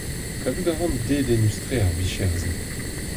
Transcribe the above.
Kavout a ran dedennus-tre ar vicher-se.